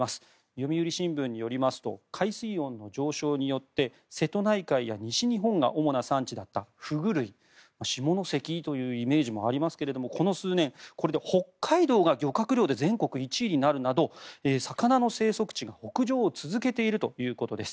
読売新聞によりますと海水温の上昇によって瀬戸内海や西日本が主な産地だったフグ類下関というイメージもありますがこの数年、北海道が漁獲量で全国１位になるなど魚の生息地が北上を続けているということです。